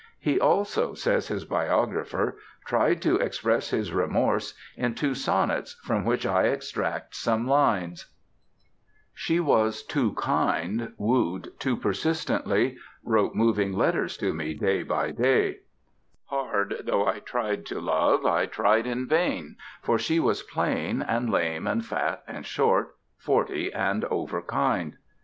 "He also," says his biographer, "tried to express his remorse" in two sonnets from which I extract some lines: She was too kind, wooed too persistently, Wrote moving letters to me day by day; Hard though I tried to love I tried in vain, For she was plain and lame and fat and short, Forty and overkind.